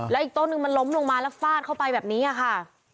แล้วอีกต้นนึงมันล้มลงมาแล้วฟาดเข้าไปแบบนี้ค่ะ